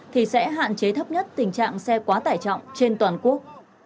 thì sẽ hạn chế thấp nhất tình trạng xe quá tải trọng trên toàn quốc